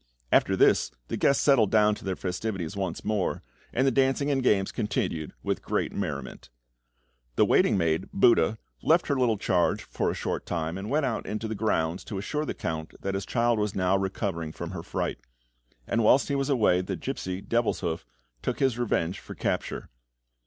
After this the guests settled down to their festivities once more, and the dancing and games continued with great merriment. The waiting maid, Buda, left her little charge for a short time, and went out into the grounds to assure the Count that his child was now recovering from her fright; and whilst she was away, the gipsy, Devilshoof, took his revenge for capture.